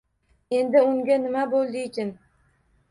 Endi unga nima bo‘ldiykin?